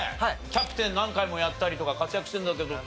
キャプテン何回もやったりとか活躍してるんだけど。